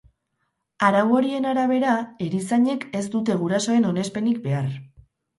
Arau horien arabera, erizainek ez dute gurasoen onespenik behar.